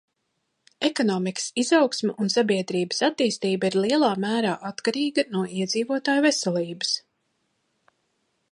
Ekonomikas izaugsme un sabiedrības attīstība ir lielā mērā atkarīga no iedzīvotāju veselības.